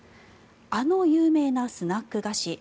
あの有名なスナック菓子